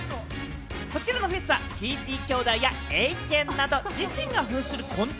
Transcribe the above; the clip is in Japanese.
こちらのフェスはＴＴ兄弟や瑛肩など自身が扮するコント